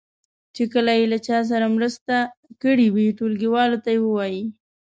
چې کله یې له چا سره مرسته کړې وي ټولګیوالو ته یې ووایي.